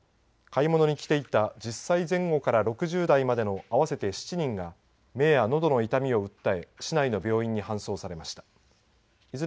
買い物に来ていた１０歳前後から６０代までの合わせて７人が目やのどの痛みを訴え市内の病院に搬送されました。